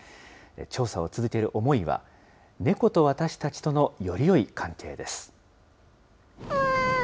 調査を続ける思いは、猫と私たちとのよりよい関係です。